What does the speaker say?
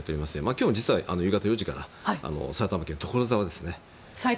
今日も実は夕方４時から埼玉県所沢ですね。